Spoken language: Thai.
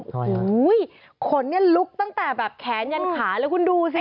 โอ้โหขนเนี่ยลุกตั้งแต่แบบแขนยันขาแล้วคุณดูสิ